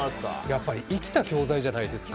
やっぱり生きた教材じゃないですか。